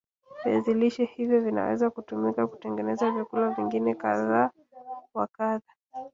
viazi lishe hivyo vinaweza kutumika kutengeneza vyakula vingine kadha wa kadha